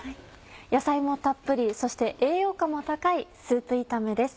野菜もたっぷりそして栄養価も高いスープ炒めです。